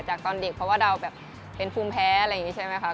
ตอนเด็กเพราะว่าเราแบบเป็นภูมิแพ้อะไรอย่างนี้ใช่ไหมคะ